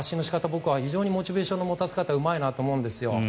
僕は非常にモチベーションの持たせ方がうまいと思うんです。